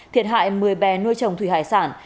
thiệt hại một mươi bè nuôi trồng thủy hải sản